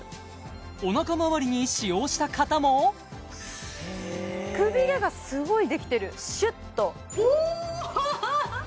おなかまわりに使用した方もくびれがすごいできてるシュッとおーっ！